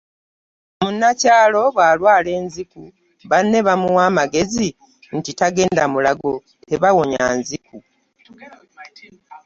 Munnakyalo bw'alwala enziku banne bamuwa magezi nti tagenda Mulago tebawonya nziku.